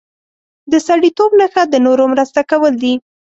د سړیتوب نښه د نورو مرسته کول دي.